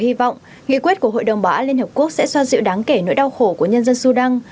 hy vọng nghị quyết của hội đồng bảo an liên hợp quốc sẽ xoa dịu đáng kể nỗi đau khổ của nhân dân sudan